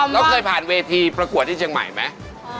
แล้วเคยผ่านเวทีประกวดที่เชียงใหม่ไหม